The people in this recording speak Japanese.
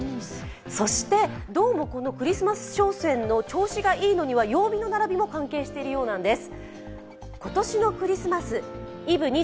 そしてどうもこのクリスマス商戦が調子がいいのも曜日の並びも関係しているようなんです。